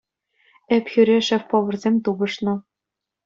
Ӗпхӳре шеф-поварсем тупӑшнӑ.